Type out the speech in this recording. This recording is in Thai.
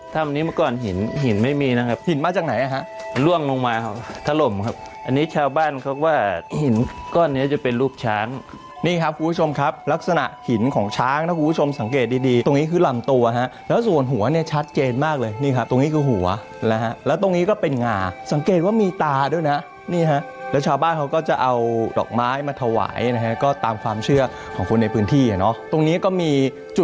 ตรงนี้จะเป็นรูปช้างนี่ครับคุณผู้ชมครับลักษณะหินของช้างถ้าคุณผู้ชมสังเกตดีดีตรงนี้คือหล่ำตัวฮะแล้วส่วนหัวเนี่ยชัดเจนมากเลยนี่ครับตรงนี้คือหัวแล้วตรงนี้ก็เป็นหง่าสังเกตว่ามีตาด้วยนะนี่ฮะแล้วชาวบ้านเขาก็จะเอาดอกไม้มาถวายนะฮะก็ตามความเชื่อของคนในพื้นที่เนอะตรงนี้ก็มี